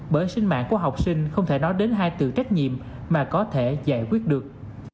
bởi sinh mạng của học sinh không thể nói đến hai từ trách nhiệm mà có thể giải quyết được